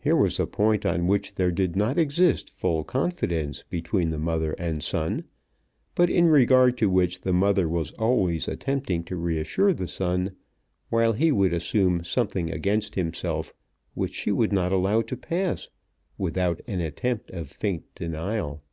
Here was a point on which there did not exist full confidence between the mother and son, but in regard to which the mother was always attempting to reassure the son, while he would assume something against himself which she would not allow to pass without an attempt of faint denial.